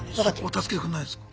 助けてくれないんですか？